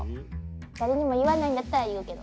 誰にも言わないんだったら言うけど。